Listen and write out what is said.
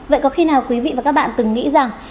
vậy có khi nào quý vị và các bạn từng nghĩ rằng